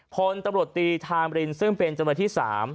โพนตมตรีทางบรินซึ่งเป็นจำนวนที่๓